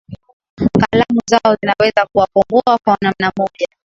kalamu zao zinaweza kuwakomboa kwa namna moja